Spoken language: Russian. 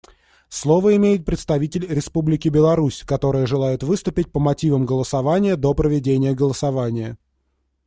Слово имеет представитель Республики Беларусь, которая желает выступить по мотивам голосования до проведения голосования.